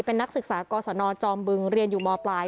เป็นนักศึกษากศนจอมบึงเรียนอยู่มปลาย